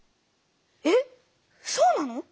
えっそうなの？